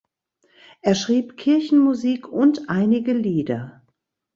Er schrieb Kirchenmusik und einige Lieder.